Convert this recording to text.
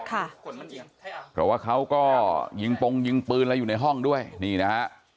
เพราะว่าเขาก็ยิงปงยิงปืนอะไรอยู่ในห้องด้วยนี่นะฮะ